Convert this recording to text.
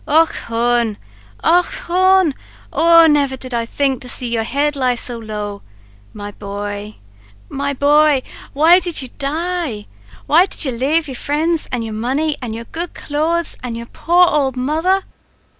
Och hone! och hone! oh, never did I think to see your head lie so low. My bhoy! my bhoy! why did you die? Why did You lave your frinds, and your money, and your good clothes, and your poor owld mother?"